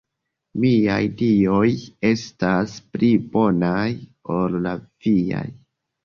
Miaj Dioj estas pli bonaj ol la viaj.